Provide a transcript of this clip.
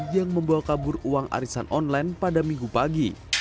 yang membawa kabur uang arisan online pada minggu pagi